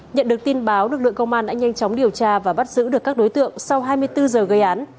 nhận được tin báo lực lượng công an đã nhanh chóng điều tra và bắt giữ được các đối tượng sau hai mươi bốn giờ gây án